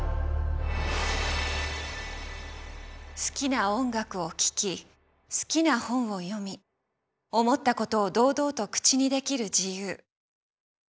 好きな音楽を聴き好きな本を読み思ったことを堂々と口にできる自由。